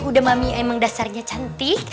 udah mami memang dasarnya cantik